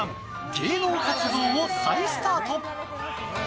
芸能活動を再スタート。